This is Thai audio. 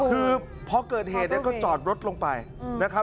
คือเพราะเกิดเหตุก็จอดรถลงไปนะครับ